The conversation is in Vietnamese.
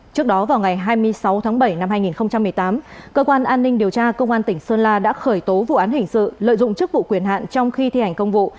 trước đó vào ngày hai mươi sáu tháng bảy năm hai nghìn một mươi tám cơ quan an ninh điều tra công an tỉnh sơn la đã khởi tố vụ án hình sự lợi dụng chức vụ quyền hạn trong khi thi hành công vụ